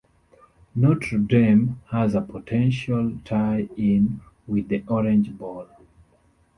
Notre Dame has a potential tie-in with the Orange Bowl.